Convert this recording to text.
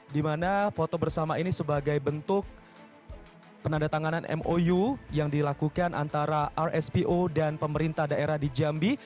di mana foto bersama ini sebagai bentuk penandatanganan mou yang dilakukan antara rspo dan pemerintah daerah di jambi